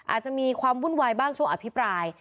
อาจจะมีความวุ่นวายบ้างช่วงอภิปราย